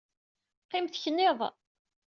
Qqim tekniḍ.